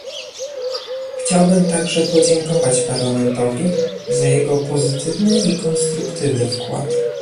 Chciałbym także podziękować Parlamentowi za jego pozytywny i konstruktywny wkład